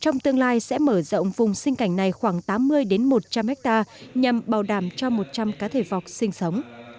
trong tương lai sẽ mở rộng vùng sinh cảnh này khoảng tám mươi một trăm linh hectare nhằm bảo đảm cho một trăm linh cá thể vọc sinh sống